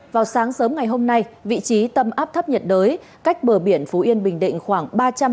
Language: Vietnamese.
vào sáng sớm ngày hôm nay vị trí tâm áp thấp nhiệt đới cách bờ biển phú yên bình định khoảng ba trăm linh m